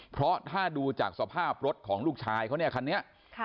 เพราะถ้าดูจากสภาพรถของลูกชายเขาเนี่ยคันนี้